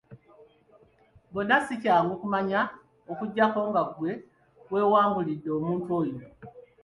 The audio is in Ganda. Bonna si kyangu kumanya okuggyako nga ggwe weewangulidde omuntu oyo.